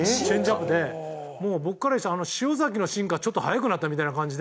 もう僕からしたら潮崎のシンカーちょっと速くなったみたいな感じで。